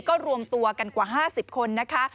ก็รวมตัวกันกว่า๕๐คนนะคะ